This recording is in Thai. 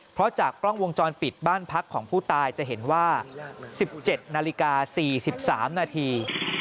เพราะจากกล้องวงจรปิดบ้านพักของผู้ตายจะเห็นว่า๑๗นาฬิกา๔๓นาที